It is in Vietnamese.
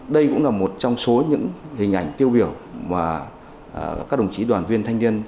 đây cũng là một trong số những hình ảnh tiêu biểu mà các đồng chí đoàn viên thanh niên